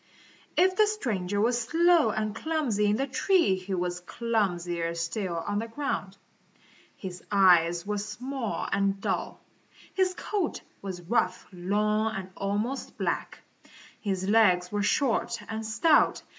If the stranger was slow and clumsy in the tree, he was clumsier still on the ground. His eyes were small and dull. His coat was rough, long and almost black. His legs were short and stout.